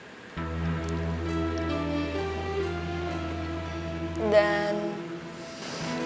mau perbicara pasang hati